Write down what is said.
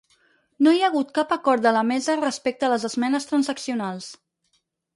No hi ha hagut cap acord de mesa respecte les esmenes transaccionals.